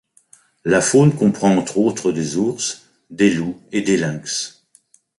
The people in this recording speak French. La faune comprend entre autres des ours, des loups et des lynx.